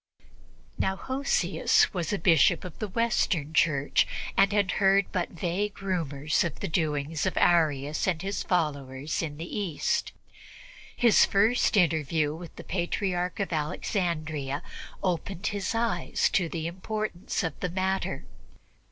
Now, Hosius was a Bishop of the Western Church and had heard but vague rumors of the doings of Arius and his followers in the East. His first interview with the Patriarch of Alexandria opened his eyes to the importance of the matter.